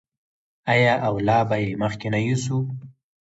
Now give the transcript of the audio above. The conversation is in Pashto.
آیا او لا به یې مخکې نه یوسي؟